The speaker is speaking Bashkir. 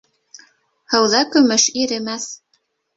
Һыуҙа көмөш иремәҫ.